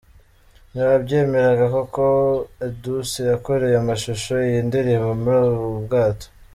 ntibabyemeraga ko koko Edouce yakoreye amashusho yiyi ndirimbo muri ubu bwato,.